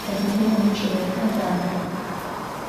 Adıgêim yiçılexer daxex.